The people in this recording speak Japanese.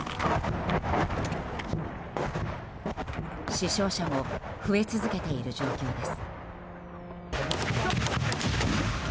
死傷者も増え続けている状況です。